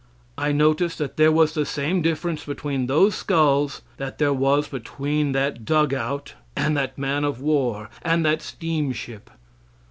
I noticed that there was the same difference between those skulls that there was between that dug out, and that man of war and that steamship.